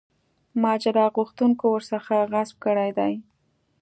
ماجرا غوښتونکو ورڅخه غصب کړی دی.